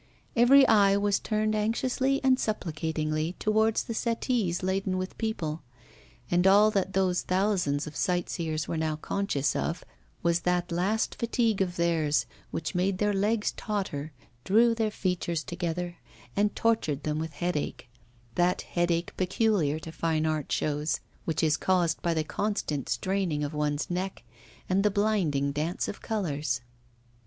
Every eye was turned anxiously and supplicatingly towards the settees laden with people. And all that those thousands of sight seers were now conscious of, was that last fatigue of theirs, which made their legs totter, drew their features together, and tortured them with headache that headache peculiar to fine art shows, which is caused by the constant straining of one's neck and the blinding dance of colours.